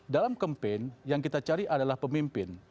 dalam kempen yang kita cari adalah pemimpin